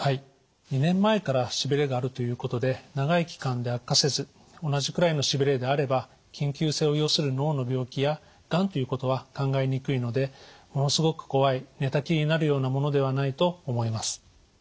２年前からしびれがあるということで長い期間で悪化せず同じくらいのしびれであれば緊急性を要する脳の病気やがんということは考えにくいのでものすごく怖い寝たきりになるようなものではないと思います。